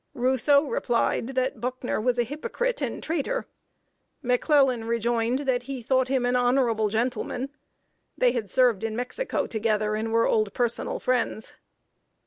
Rousseau replied that Buckner was a hypocrite and traitor. McClellan rejoined that he thought him an honorable gentleman. They had served in Mexico together, and were old personal friends.